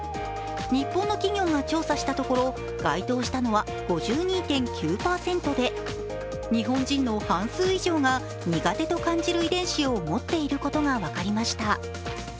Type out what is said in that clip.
日本の企業が調査したところ、該当したのは５２．９％で、日本人の半数以上が苦手と感じる遺伝子を持っていることが分かりました。